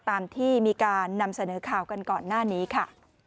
ตามที่มีการนำเสนอข่าวกันก่อนหน้านี้ค่ะ